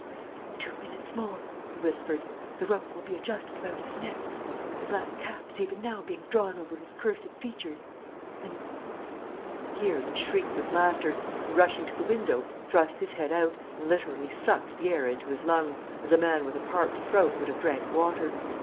"'In two minutes more,' he whispered, 'the rope will be adjusted about his neck; the black cap is even now being drawn over his cursed features, and ' "Here he shrieked with laughter, and, rushing to the window, thrust his head out and literally sucked the air into his lungs, as a man with a parched throat would have drank water.